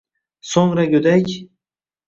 So’ngra go’dak…